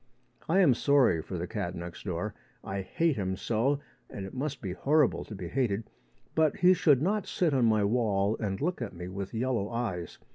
I am sorry for the cat next door. I hate him so, and it must be horrible to be hated. But he should not sit on my wall and look at me with yellow eyes.